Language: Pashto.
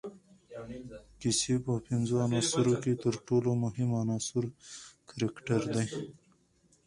د کیسې په پنځو عناصروکښي ترټولو مهم عناصر کرکټر دئ.